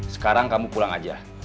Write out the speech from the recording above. sekarang kamu pulang aja